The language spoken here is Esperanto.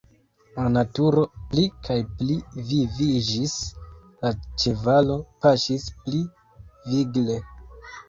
La naturo pli kaj pli viviĝis, la ĉevalo paŝis pli vigle.